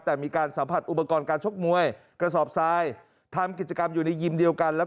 แต่มีการสัมผัสอุปกรณ์การชกมวยกระสอบทรายทำกิจกรรมอยู่ในยิมเดียวกันแล้ว